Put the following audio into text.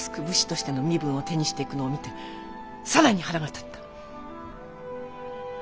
武士としての身分を手にしていくのを見て更に腹が立った。